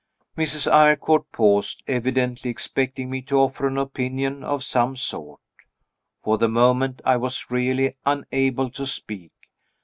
_ Mrs. Eyrecourt paused, evidently expecting me to offer an opinion of some sort. For the moment I was really unable to speak.